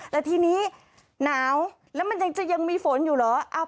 แต่ทีนี้หนาวแล้วมันยังจะยังมีฝนอยู่เหรอ